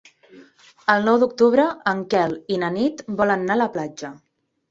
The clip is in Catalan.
El nou d'octubre en Quel i na Nit volen anar a la platja.